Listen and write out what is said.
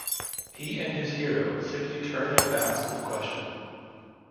He and his hero simply turn their backs on the question.